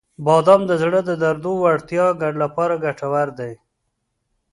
• بادام د زړه د دردو وړتیا لپاره ګټور دي.